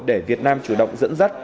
để việt nam chủ động dẫn dắt